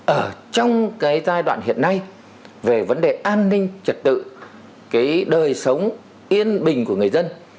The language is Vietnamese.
ở trong cái giai đoạn hiện nay về vấn đề an ninh trật tự cái đời sống yên bình của người dân